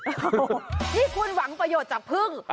โอ้โหนี่คุณหวังประโยชน์จากพึ่ง